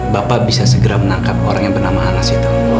bapak bisa segera menangkap orang yang bernama anas itu